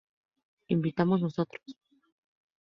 ¿invitamos nosotros?